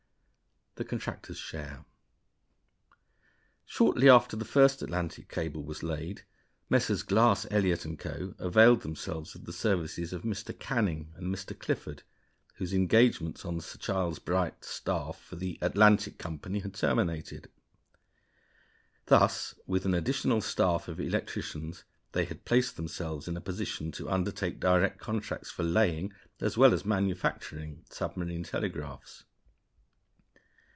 The Contractors' Share. Shortly after the first Atlantic cable was laid, Messrs. Glass, Elliot & Co. availed themselves of the services of Mr. Canning and Mr. Clifford, whose engagements on Sir Charles Bright's staff for the "Atlantic" Company had terminated. Thus, with an additional staff of electricians, they had placed themselves in a position to undertake direct contracts for laying, as well as manufacturing, submarine telegraphs.